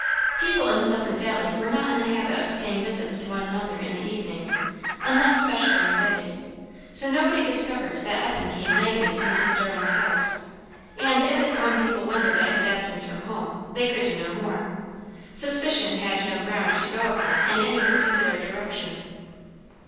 People in Pleasant Valley were not in the habit of paying visits to one another in the evenings, unless specially invited; so nobody discovered that Evan came nightly to Mrs. Starling's house; and if his own people wondered at his absence from home, they could do no more. Suspicion had no ground to go upon in any particular direction.